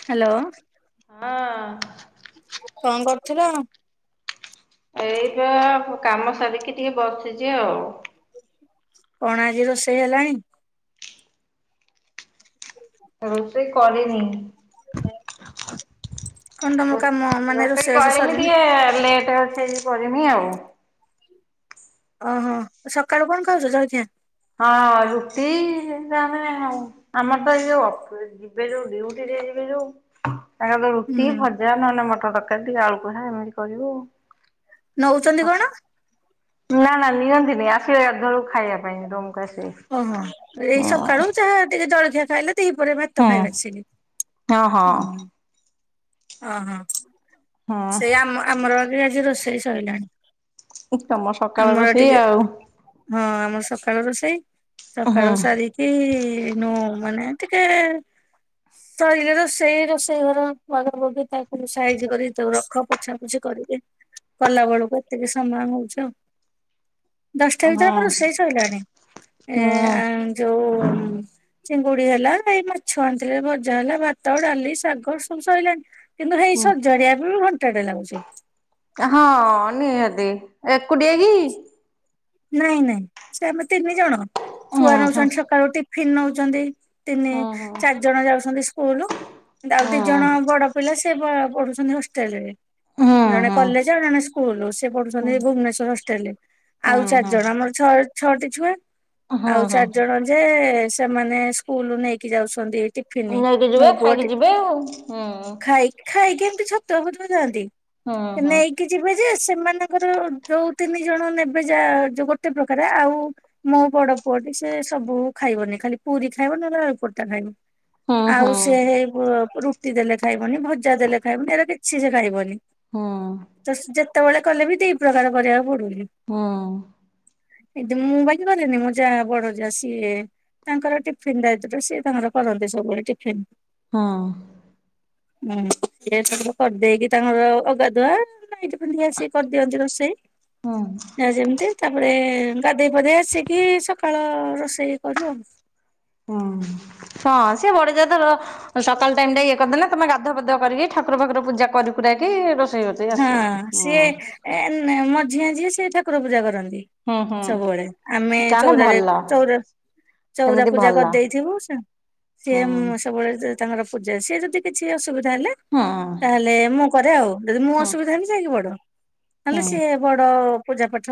Hello ହଁ କଣ କରୁଥିଲ? ଏଇବେ କାମ ସାରିକି ଟିକେ ବସିଛି ଆଉ। କଣ ଆଜି ରୋଷେଇ ହେଲାଣି? ରୋଷେଇ କରିନି। କଣ ତମ କାମ ମାନେ ରୋଷେଇ ରୋଷେଇବାସ କରିବି ସରିନି? ଟିକେ ଲେଟ୍। ଭେଜ କରିମି ଆଉ। ଓହୋ ସକାଳୁ କଣ ଖାଉଛ ଜଳିଖା। ହଁ ରୁଟି ଆମେ ଆମର ତ ଏଇ ଯୋଉ ଯିବେ ଯୋଉ ଡିଉଟି ଯିବେ ଯୋଉ ତାଙ୍କ ତ ରୁଟି ହୁଁ ଭଜା ନହେଲେ ମଟର ତରକାରୀ ଟିକେ ଆଳୁ [unintelligible] ଏମିତି କରିବୁ। ନଉଛନ୍ତି କଣ? ନା ନା ନିଅନ୍ତିନି ଆସିବେ ଗାଧୁଆ ଵେଲୁକୁ ଖାଇବା ପାଇଁ। ରୁମକୁ ଆସିବେ। ଓହୋ ଏଇ ହୁଁ ସକାଳୁ ଯାହା ଟିକେ ଜଳଖିଆ ଖାଇଲେ। ଦିପହରେ ଭାତ ହଁ ଖାଇବେ ଆସିକି ହଁ ହୁଁ। ହଁ ଓହୋ ସେ ହଁ ଆମ ଆମର ଆଗ ଆଜି ରୋଷେଇ ସଇଲାଣି। ତମ ସକାଳ ଆମର ରୋଷେଇ ଟିକେ ଆଉ ହଁ ଆମର ସକା ସକାଳୁ ରୋଷେଇ ସକାଳୁ ହୁଁ। ସାରିକି ଏନୁ ମାନେ ଟିକେ ସରିଲେ ରୋଷେଇ ରୋଷେଇ ଘର ବାଗା ବାଗି ତାକୁ ମୁ ସାଇଜି କରି ତକୁ ରଖ ପୋଛାପୋଛି କରିକି କଲା ବେଳକୁ ଏତିକି ସମୟ ହଉଚି ଆଉ। ଦଶଟା ଭିତରେ ଆମ ହଁ ରୋଷେଇ ସଇଲାଣି ଏ ହୁଁ ଆଁ ଯୋଉ ଚିଙ୍ଗୁଡି ହେଲା ଏଇ ମାଛ ଆଣିଥିଲେ ଭଜା ହେଲା ଭାତ ଡାଲି ଶାଗ ସବୁ ସଇଲାଣି। କିନ୍ତୁ ହେଇ ହୁଁ। ସଜାଡିଆ ବି ଘଣ୍ଟାଟେ ଲାଗୁଚି। ହଁ ନିହାତି ଏକୁଟିଆ କି? ନାଇଁ ନାଇଁ ସେ ଆମେ ତିନି ଜଣ ଛୁଆ ନଉଚନ୍ତି ସକାଳୁ ଟିଫିନ ନଉଚନ୍ତି। ତିନି ଚାରି ଜଣ ଯାଉସନ୍ତି ସ୍କୁଲ ଆଉ ଦି ଜଣ ବଡ ପିଲା ସେ ବା ପଢୁ ଚନ୍ତି ହଷ୍ଟେଲରେ। ଜଣେ କଲେଜ ଆଉ ଜଣେ ସ୍କୁଲ ସେ ପଢୁଛନ୍ତି ଭୁବନେଶ୍ଵର ହଷ୍ଟେଲରେ। ଆଉ ଚାରି ଜଣ ଆମର ଛଅ ଛଅଟି ଛୁଆ ଆଉ ଚାରି ଜଣ ଯେ ସେମାନେ ସ୍କୁଲୁ ନେଇକି ଯାଉଚନ୍ତି। ଟିଫନ୍ ନେଇକି ମୋ ଯିବେ ପୁଅ ଖାଇକି ଟି ଯିବେ ଆଉ। ଖାଇ ଖାଇକି କେମିତି ଛତୁଆ ଫତୁଆ ଜାନ୍ତି ହୁଁ ହୁଁ ନେଇକି ଯିବେ ଯେ ସେମାନଙ୍କର ଯୋଉ ତିନି ଜଣ ନେବେ। ଏବେ ଯା ଯୋଉ ଗୋଟେ ପ୍ରକାର ଆଉ ମୋ ବଡ ପୁଅଟି ସେ ସବୁ ଖାଇବନି ଖାଲି ପୁରୀ ଖାଇବ। ନହେଲେ ଆଳୁ ପରଟା ଖାଇମି। ହୁଁ ହୁଁ ହୁଁ ହୁଁ ଆଉ ସେ ହୁଁ ରୁ ରୁଟି ଦେଲେ ଖାଇବନି ଭଜା ଦେଲେ ଖାଇବନି ଏଗୁରା କିଛି ସେ ଖାଇବନି। ତଶ୍ ଯେତେବେଳେ କଲେ ବି ଦିଇ ପ୍ରକାର କରିବାକୁ ପଡୁନି। ହଁ। ଦିଦି ମୁଁ ବାକି କରେନି ମୋ ଯା ବଡ ଯା ସିଏ। ତାଙ୍କର ଟିଫିନ ଦାୟିତ୍ୱରେ ସିଏ ତାଙ୍କର କରନ୍ତି ସବୁବେଳେ ଟିଫିନ। ହଁ। ହୁଁ ସେ ସବୁ କରିଦେଇକି ତାଙ୍କର ଅଗାଧୁଆ ନାଇ ତ। ଲିଆ ସିଏ କରିଦିଅନ୍ତି ରୋଷେଇ ହୁଁ ଯା ଯେମିତି ତାପରେ। ଗାଧେଇ ପାଧେଇ ଆସିକି ସକାଳ ରୋଷେଇ କରୁ ଆଉ। ହଁ। ହଁ ସିଏ ବଡ ଯା ତାର ସକାଳ ଟାଇମ ଟା ଇଏ କରିଦେଲେ ତମେ ଗାଧୁଆ ପାଧୁଆ କରିକି ଠାକୁର ଫାକୁର ପୂ ପୂଜା କରି କୁରା କି ରୋଷ ହଁ ସିଏ ଏ ମଝିଆ ଯିଏ ସେ ଠାକୁର ପୂଜା କରନ୍ତି। ହୁଁ ହୁଁ ସବୁବେଳେ ଆମେ ତାହେଲେ ଚଉରାରେ ଭଲ। ଚଉର। ଚଉରା ସେମିତି ପୂଜା ଭଲ କରିଦେଇଥିବୁ ସେ ହୁଁ ସିଏ ସବୁବେଳେ। ତାଙ୍କର ପୂଜା ସେ ଯଦି କିଛି ଅସୁବିଧା ହେଲେ ହୁଁ ତାହେଲେ ମୁଁ କରେ ଆଉ। ଯଦି ମୁଁ ହୁଁ ଅସୁବିଧା ହେବି ଯାଇକି ବଡ। ହୁଁ ହେଲେ ସିଏ ବଡ। ପୂଜା ପାଠ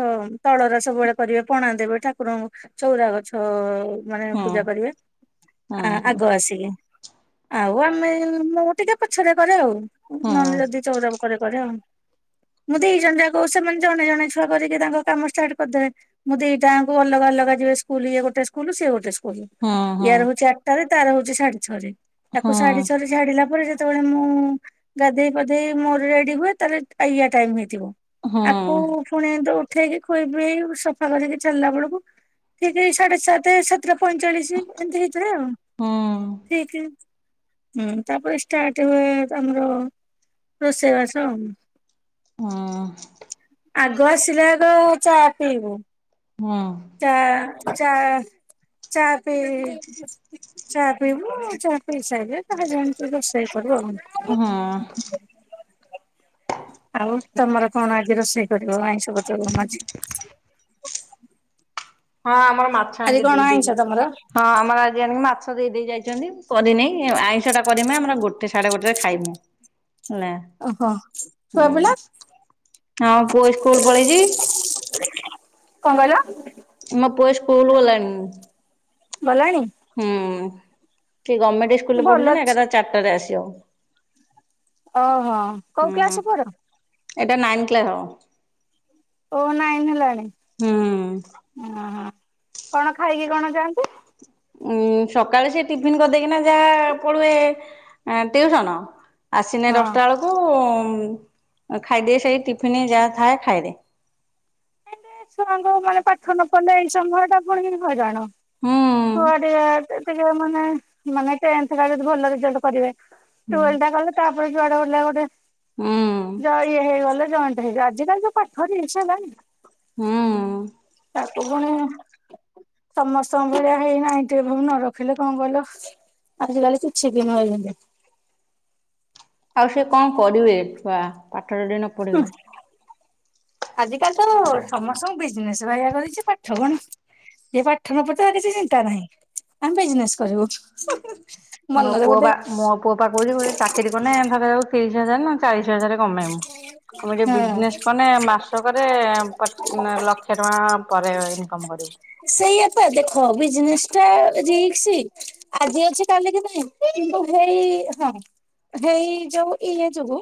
ତଳର ସବୁବେଳେ କରିବେ ପଣା ଦେବେ ଠାକୁରଙ୍କୁ ଚଉରା ଗଛ। ମାନେ ହୁଁ ପୂଜା କରିବେ ହୁଁ ଆ ହୁଁ ଆଗ ଆସିକି। ଆଉ ଆମେ ମୁଁ ଟିକେ ପଛରେ କରେ ଆଉ ହୁଁ ନହେଲେ ଯଦି ଚଉରା। [unintelligible] ମୁଁ ଦି ଜଣ ଜାଙ୍କୁ ସେମାନେ ଜଣେ ଜଣେ ଛୁଆ କରିକି ତାଙ୍କ କାମ ଷ୍ଟାର୍ଟ କରିଦେବେ ମୁଁ ଦିଟାଙ୍କୁ ଅଲଗା ଅଲଗା। ଅଲଗା ଯିବେ ସ୍କୁଲ ଇଏ ଗୋଟ ସ୍କୁଲ ସେ ଗୋଟେ ସ୍କୁଲ। ହୁଁ ହୁଁ ହୁଁ ହୁଁ ହୁଁ ଇୟାର ହଉଛି ଆଠଟାରେ ତାର ହଉଛି ସାଢେ ଛଅ ରେ ତାକୁ ସାଢେ ଛ ରେ ଛାଡିଲା ପରେ। ସେତେବେଳେ ମୁଁ ଗାଧେଇ ପାଧେଇ ମୋର ରେଡି ହୁଏ ତାହେଲେ ଇଆ ଟାଇମ ହେଇ। [unintelligible] ହୁଁ ଆକୁ ପୁଣି ଦଉ। ଉଠେଇକି ଖୋଇ ପେଇ ସଫା କରିକି ଛାଡିଲା ବେଳକୁ ଠିକ୍ ଏଇ ସାଢେ ସାତ। ସାତଟା ପଇଁଚାଳିଶି ଏମିତି ହେଇଥାଏ ଆଉ ଠିକ୍। ହୁଁ ତାପରେ ଷ୍ଟାର୍ଟ ହୁଏ ଆମର ରୋଷେଇବାସ ଆଉ। ହଁ। ଆଗ ଆସିଲା ଆଗ ଚା ପିଇବୁ ହୁଁ ତା। ଚା ଚା ପିଇ। ଚା ପିଇବୁ ଚା ପିଇ ସାଇଲେ ତାହା ଜାଣିଛୁ ରୋଷେଇ କରିବୁ ଆଉ। ହଁ ଆଉ। ତମର କଣ ଆଜି ରୋଷେଇ କରିବ ଆଇଁସ ପତ୍ର ମାଛ। ହଁ ଆମର ମାଛ ଆଣିକି ଦେଇଦେଇକି ତମର? ହଁ ଆମର ଆଜି ଆଣିକି ମା। ମାଛ ଦେଇ ଦେଇ ଯାଇଛନ୍ତି କରିନେଇ ଆଉ ଆଇଁଷ ଟା କରିମି ଆମର ଗୋଟେ ସାଢେ ଗୋଟେରେ ଖାଇମୁ। ହେଲା ଓହୋ ଛୁଆ ହୁଁ ପିଲା। ହଁ ପୁଅ ଇସ୍କୁଲ ପଳେଇଛି। କଣ କହିଲ? ମୋ ପୁଅ ସ୍କୁଲ ଗଲାଣି। ଗଲାଣି। ସିଏ ଗମେଣ୍ଟ ଇସ୍କୁଲରେ ଭଲ ପଢୁଛି ନା ଅଛି। ଏକାଥରେ ଚାରିଟାରେ ଆସିବ। ଓହୋ କୋଉ ହୁଁ କ୍ଲାସ ପୁଅ ର? ଏଇଟା ନାଇନ୍ କ୍ଲାସ୍ ହବ। ଓ ନାଇନ ହେଲାଣି ହୁଁ। ହ ହ। କଣ ଖାଇକି କଣ ଯାଆନ୍ତି? ଉମ୍ ସକାଳେ ସେ ଟିଫିନ କରିଦେଇକିନା ଯାହା ପଳୁଏ, ଏଁ ଟିଉସନ। ଆସିନେ ହଁ। ଦଶଟା ବେଳକୁ, ଖାଇଦିଏ ସେଇ ଟିଫିନ ଯାହା ଥାଏ ଖାଇଦିଏ। ମେନେ ଛୁଆଙ୍କୁ ମାନେ ପାଠ ନ ପଢିଲେ ଏଇ ସମୟଟା ପୁଣି ହଇରାଣ। ହୁଁ ଛୁଆ ଟିକେ, ଟିକେ ମାନେ ମାନେ ଟେନ୍ଥଟା ଯଦି ଭଲ ରେଜଲ୍ଟ କରିବେ ଟ୍ବେଲବଟା କଲେ ତାପରେ ଯୁଆଡ଼େ ହେଲେ ଗୋଟେ, ହୁଁ ଯ ଇଏ ହେଇଗଲେ ଜଏଣ୍ଟ ହେଇକା, ଆଜିିକାଲି ଯୋଉ ପାଠ ରିସ୍କ ହେଲାଣି, ହୁଁ। ତାପରେ ପୁଣି ସମସ୍ତଙ୍କ ଭଳିଆ ହେଇ ନାଇଣ୍ଟି ଏବଭ ନ ରଖିଲେ କଣ କହିଲ, ଆଜିକାଲି କିଛି ବି ନୁହେଁ ଯେନ୍ତି। ଆଉ ସେ କଣ କରିବେ ଛୁଆ, ପାଠ ଯଦି ନ ପଢିବେ। ଆଜି କାଲି ତ ସମସ୍ତଙ୍କୁ ବିଜନେସ ବାଇଆ କରିଛି, ପାଠ କଣ ଯିଏ ପାଠ ନପଢୁଛି ତାର କିଛି ଚିନ୍ତା ନାହିଁ। ଆମେ ବିଜନେସ୍ କରିବୁ। ହୁଁ ହୁଁ। ମୋ ପୁଅ ବା ମୋ ପୁଅ ପା କହୁଛି, କହୁଛି ଚାକିରୀ କନେ ଧରାଯାଉ ତିରିଶ ହଜାର ନା ଚାଳିଶ ହଜାର କମେଇବୁ। ଆମେ ଯୋଉ ବିଜନେସ ହଁ କନେ, ମାସକରେ ପଚ ଲକ୍ଷେ ଟଙ୍କା ପରେ ଇନକମ କରିବୁ। ସେଇଆ ତ ଆଜି ହଁ ବିଜନେସ୍ ଟା ରିକ୍ସ। ଆଜି ଅଛି କାଲି କି ନାଇଁ, କିନ୍ତୁ ହେଇ ହଁ। ହେଇ ଯୋଉ ଇଏ ଯୋଗୁ,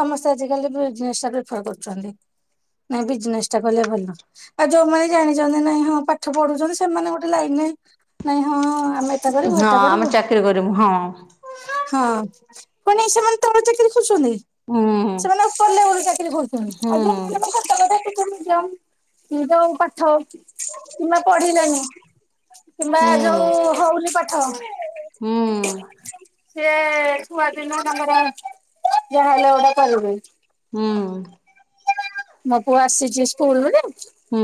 ସମସ୍ତେ ଆଜିକାଲି ବିଜନେସଟା ପ୍ରିଫର କରୁଛନ୍ତି। ନାଇଁ ବିଜନେସଟା କଲେ ଭଲ। ଆଉ ଯୋଉମାନେ ଜାଣିଛନ୍ତି ନାଇଁ ହଁ ପାଠ ପଢୁଛନ୍ତି, ସେମାନେ ଗୋଟେ ଲାଇନ ନ, ନାଇଁ ହଁ ଆମେ ଏଟା କରିବୁ ହଁ, ଏଟା ଆମେ କରିବୁ ଚାକିରୀ କରିବୁ। ହଁ। ହଁ। ପୁଣି ସେମାନେ ତଳ ଚାକିରୀ ଖୋଜୁଛନ୍ତି? ହୁଁ ସେମାନେ ଆଉ [unintelligible] ଚାକିରୀ କରୁଛନ୍ତି। ହୁଁ ଆଉ ଯୋଉମାନଙ୍କୁ ମୁଁ କଟକ ଡାକୁ କେମିତି ଯାଉ, କି ଯୋଉ ପାଠ, କିମ୍ବା ପଢିଲାନି କିମ୍ବା ହୁଁ ଯୋଉ ହଉନି ପାଠ ହୁଁ। ସିଏ ଛୁଆଦିନୁ ତାଙ୍କର ଯାହାହେଲେ ଗୋଟାଏ କରିବେ। ହୁଁ। ମୋ ପୁଅ ଆସିଛି ସ୍କୁଲରୁ ଯେ ହୁଁ ହୁଁ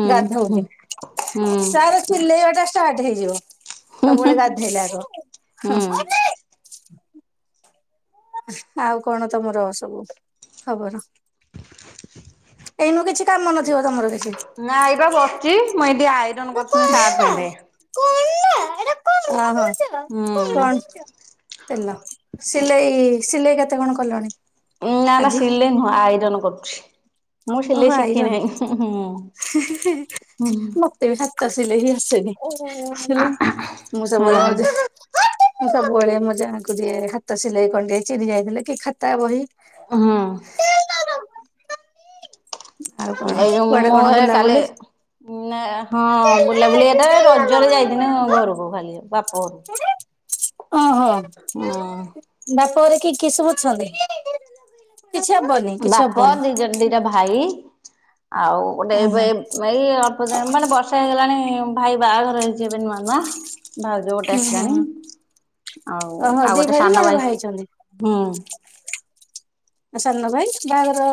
ହୁଁ ଗାଧଉଚି। ତାର ହୁଁ ଚିଲେଇବାଟା ଷ୍ଟାର୍ଟ ହେଇଯିବ। ସବୁବେଳେ ଗାଧେଇଲାର, ହଁ। ହୁଁ ଆଉ କଣ ତମର ସବୁ ଖବର? ଏଇନୁ କିଛି କାମ ନଥିବ ତମର କିଛି? ନା ଏଇବା ବସିଛି ମୁଁ ଏଇଠି ଆଇରନ୍ କରୁଥିଲି ସାର୍ଟ ପ୍ୟାଣ୍ଟ [unintelligible] କଣ ହୁଁ ତେଲ, ସିଲେଇ ସିଲେଇ କେତେ କଣ କଲଣି? ନାଁ ନାଁ ଆଜି? ସିଲେଇ ନୁହଁ, ଆଇରନ୍ କରୁଛି। ମୁଁ ସିଲେଇ ଓହୋ ଶିଖି ଆଇରନ୍, ନାହିଁ ହୁଁ ହି-ହି-ହି-ହି। ମତେ ବି ସାତଶ ସିଲେଇ ବି ଆସେନି। ଆକଚୁଆଲି ମୁଁ ହୁଁ ସବୁବେଳେ ମୋ ଯୋଉ ମୁୁଁ ସବୁବେଳେ ମୋ ଯାଆଙ୍କୁ ଦିଏ, ହାତ ସିଲେଇ କଣ ଟିକେ ଚିରି ଯାଇଥିଲେ। କି ଖାତା, ବହି ହୁଁ ଆଉ କଣ ଏଇ ଯୋଉ କୁଆଡେ ମୁଁ କଣ ହେ କାଲି ବୁଲାବୁଲି? ନାଁୟା ହଁ ବୁଲାବୁଲି ଏଇଟାରେ ରଜରେ ଯାଇଥିନି ଘରକୁ ଖାଲି, ବାପ ଘରୁକୁ। ଓହୋ। ବାପ ଘରେ କିଏ କିଏ ସବୁ ଅଛନ୍ତି? କିଛି ହବନି, କିଛି ବାପ ହବନି। ଦି ଜଣ ଦିଟା ଭାଇ ଆଉ ଗୋଟେ ଅ ହଁ ଏବ୍-ଏବ୍-ଏଇ ଅଳ୍ପ ଦିନ ମାନେ, ବର୍ଷେ ହେଇଗଲାଣି ଭାଇ ବାହାଘର ହେଇଁଚି ଏବେ ନୂଆ ନୂଆ। ଭାଉଜ ଗୋଟେ ହୁଁ ଆସିଲାଣି। ହୁଁ। ଆଉ, ଓହୋ ଆଉ ଦି ଗୋଟେ ଭାଇରୁ ସାନ ଜଣେ ଭାଇ ବାହା ହେଇଛନ୍ତି। ହୁଁ। ଆ ସାନ ଭାଇ ବାହାଘର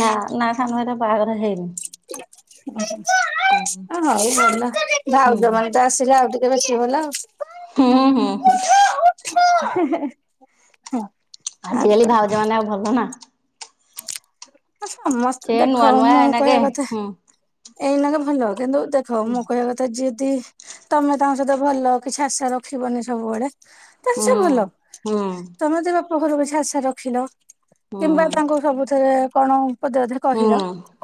ନାଁ ନାଁ, ସାନ ଭାଇର ବାହାଘର ହେଇ ହୁଁ ହଁ ହୋଉ ହେଲା ହୁଁ ଭାଉଜ ମାନେ ତ ଆସିଲେ ଆଉ ଟିକେ ଏବେ ଆସିବେ ଭଲ ଆଉ। ହୁଁ ହୁଁ ହୁଁ। ହେ ହେ ହୁଁ। ଆଜିକାଲି ଭାଉଜ ମାନେ ଆଉ ଭଲ ନା। ସମସ୍ତେ ସେ ନୂଆ ଦେଖ ନୂଆ ମୁଁ ଏଇନାକେ କହିବା କଥା ହୁଁ ଏଇନା ତ ଭଲ କିନ୍ତୁ ଦେଖ ମୁଁ କହିବା କଥା ଯିଦି ତମେ ତାଙ୍କ ସହିତ ଭଲ କିଛି ଆଶା ରଖିବନି ସବୁବେଳେ ତାହେଲେ ହୁଁ ସିଏ ଭଲ। ହୁଁ ତମେ ତ ବା ପ ଘରୁ କିଛି ଆସା ରଖିଲ ହୁଁ କିମ୍ବା ତାଙ୍କୁ ସବୁଥିରେ କଣ ପଦେ ଅଧେରେ ହୁଁ କହିଲ,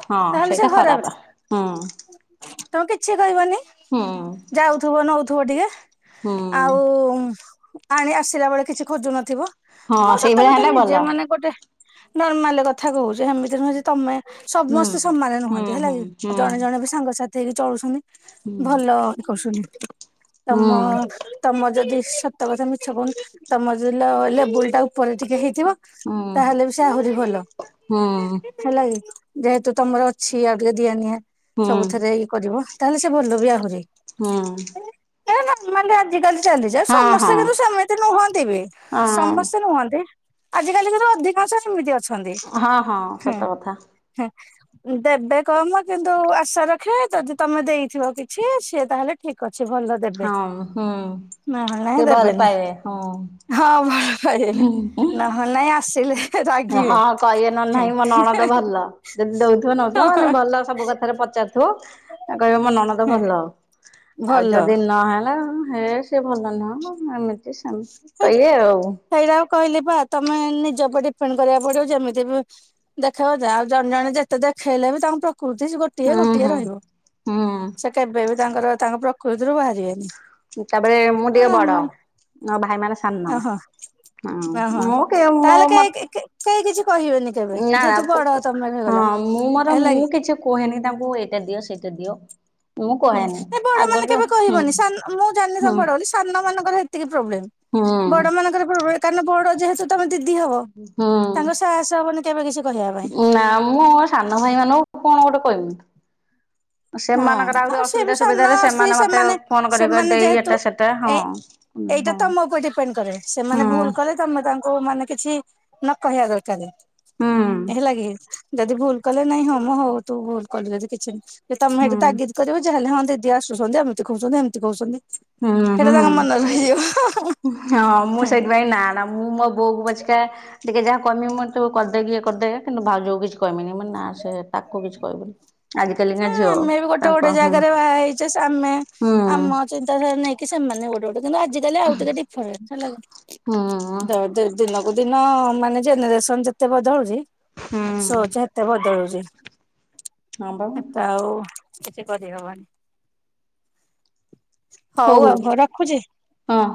ହଁ ତାହେଲେ ସେ ସେଇଟା ଖରାପେ। ଖରାପ ହୁଁ ତମେ କିଛି କହିବନି ହୁଁ ଯାଉଥିବ ନଉଥିବ ଟିକେ, ହୁଁ ଆଉ ଆଣି ଆସିଲା ବେଳେ କିଛି ଖୋଜୁ ନଥିବ। ହଁ ମୁଁ ସତ ସେଇଭଳିଆ କଥା ହେଲେ ନିଜେ ଭଲ। ମାନେ ଗୋଟେ ନର୍ମାଲ କଥା କହୁଛି। ସେମିତି ନୁହେଁ ଯେ ତମେ ହଁ ସମସ୍ତେ ସମାନ ନୁହନ୍ତି ହଁ ହେଲା କି ହଁ ଜଣେ ଜଣେ ବି ସାଙ୍ଗସାଥି ହେଇକି ଚଳୁଛନ୍ତି। ଭଲ କରୁଛନ୍ତି। ତମ ତମ ଯଦି ସତ କଥା ମିଛ କହୁନି, ତମର ଯଦି ଲେବେଲ ଟା ଉପରେ ଟିକେ ହେ ଥିବ ତାହେଲେ ବି ସେ ଆହୁରି ଭଲ। ହୁଁ। ହେଲା ଯେହେତୁ ତମର ଅଛି ଆଉ ଟିକେ ଦିଆ ନିିଆଁ ସବୁଥିରେ ଇଏ କରିବ, ତାହେଲେ ସେ ଭଲ ବି ଆହୁରି। ହୁଁ। ଏଇଟା ନା ମାନେ ଆଜି କାଲି ଚାଲି ଯା ସମସ୍ତେ କିନ୍ତୁ ସେମିତି ନୁହନ୍ତି ବି। ସମସ୍ତେ ନୁହନ୍ତି ଆଜିକାଲି ତ ଅଧିକାଂଶ ସେମିତି ଅଛନ୍ତି। ହଁ ହୁଁ। ସତ କଥା। ହୁଁ ଦେବେ କମ କିନ୍ତୁ ଆଶା ରଖିବେ ଯଦି ତମେ ଦେଇଥିବ କିଛି ସିଏ ତାହେଲେ ଠିକ ଅ ହଁ, ହୁଁ। ନହେଲେ ଟିକେ ନାଇଁ ଭଲ ଦେବେନି, ପାଇବେ ହଁ ହଁ [unintelligible] ନହେଲେ ନାଇଁ ଆସିଲେ ରାଗିବେ। ହଁ କହିବେ ନ ହେଲେ ନାହିଁ ମୋ ନଣଦ ଭଲ। ଯଦି ଦଉଥିବ ନଉଥିବ ମାନେ ଭଲ ସବୁ କଥାରେ ପଚାରୁଥିବ ତ କହିବେ ମୋ ନଣଦ ଭଲ। ଆଉ ଭଲ ଯଦି ନହେଲା ହେ ସେ ଭଲ ନୁହଁ। ଏମିତି ସେମତି କହିବେ ଆଉ। ସେଇଟା ଆଉ କହିଲି ବା ତମେ ନିଜ ଉପରେ ଡିପେଣ୍ଡ କରିବାକୁ ପଡିବ। ଯେମିତି ବି ଦେଖେଇବ ଆଉ ଜଣେ ଜଣେ ଯେତେ ଦେଖେଇଲେ ବି ତାଙ୍କ ପ୍ର କୃତି ଗୋଟିଏ ହୁଁ ଗୋଟିଏ ହୁଁ ରହିବ। ହୁଁ ସେ କେବେ ବି ତାଙ୍କର ତାଙ୍କ ପ୍ରକୃତିରୁ ବାହାରିବେନି। ଦିଏ ବଡ। ମୋ ଭାଇମାନେ ସାନ। ଓହୋ ହଁ ଓହୋ। ମୁଁ କେ ମୋ ତାହେଲେ ମ କେହି କେହି କିଛି କହିବେନି କେବେ ନା ଯେହେତୁ ବଡ ତମେ ହେଇଗଲ ହଁ ମୁଁ ମୋର ହେଲା ମୁଁ କି କିଛି କୁହେନି ତାଙ୍କୁ ଏଇଟା ଦିଅ। ସେଇଟା ଯଦିଓ ହୁଁ ବଡ ମାନେ କେବେ କହିବନି ସାନ, ମୁଁ ଜାଣିନି ଯେ ହୁଁ ତମେ ବଡ ବୋଲି ସାନ ମାନଙ୍କର ଏତିକି ପ୍ରୋବ୍ଲେମ ହୁଁ ବଡ ମାନଙ୍କର ପ୍ରୋବ୍ଲେ କାରଣ ବଡ ଯେହେତୁ ତମେ ଦିଦି ହବ ହୁଁ ତାଙ୍କ ସାହସ ହବନି କେବେ କିଛି କହିବା ପାଇଁ। ନା ମୁଁ ମୋ ସାନ ଭାଇ ମାନଙ୍କୁ କଣ ଗୋଟେ କହିବି? ହଁ ସେମାନଙ୍କର ଆହୁରି ଆଉ ସେ ଅସୁବିଧା ବି ସାନ ସୁବିଧାରେ ଆସ ମତେ ସେମାନେ ଫୋନ କରି କରି ସେମାନେ ଦେଇ ଯେହେତୁ ଏଟା ସେଟା ହଁ ଏ ଏଇଟା ହଁ ତମ ଉପରେ ଡିପେଣ୍ଡ କରେ ହଁ ସେମାନେ ଭୁଲ କଲେ ତମେ ତାଙ୍କୁ ବୋଉ ମାନେ କିଛି ନ କହିବା ଦରକାର। ହୁଁ ହେଲାକି ଯଦି ଭୁଲ କଲେ ନାଇଁ ହଁ ମ ହଉ ତୁ ଭୁଲ କଲୁ ଯଦି କିଛି ନାଇଁ ତମେ ହୁଁ ସେଇଠି ତାଗିଦ କରିବ ଯାହେଲେ ହ ଦିଦି ଆସୁଛନ୍ତି ଏମିତି କହୁଛନ୍ତି ଏମିତି କହୁଛନ୍ତି ହୁଁ ସେଇଟା ତାଙ୍କ ହୁଁ ମନରେ ରହିଯିବ। ହଁ ମୁଁ ସେଇଥିପାଇଁ ନା ନା ମୁଁ ମୋ ବୋଉକୁ ପଛେକା ଟିକେ ଯାହା କହିମି ମୁଁ ତୁ କରିଦେକିି ଏ କରିଦେ କିନ୍ତୁ ଭାଉଜକୁ କିଛି କହିମିନି ମୁଁ ନା ସେ ତାକୁ କିଛି କହିମିନି। ନା ଆମେ ବି ଗୋଟେ ଗୋଟେ ହୁଁ ଜାଗାରେ ବାହା ହେଇଛେ ଆମେ ହୁଁ ଆମ ଚିନ୍ତାଧାରା ନେଇକି ସେମାନେ ଗୋଟେ ଗୋଟେ। କିନ୍ତୁ ଆଜିକାଲି ଆଉ ଟିକେ ଡିଫରେଣ୍ଟ। ହେଲା କି ହଁ। କୋଉଦିନ ମାନେ ଜେନେରେସନ ଯେତେ ବଦଳୁଚି ହୁଁ ସୋଚ ସେତେ ବଦଳୁଚି। ହଁ ବା ହେତୁ ଆଉ କିଛି କରିହବନି। ହଉ ଆଉ କ ରଖୁଛି। ହଁ।